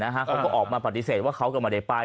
เขาก็ออกมาปฏิเสธว่าเขาก็ไม่ได้ไป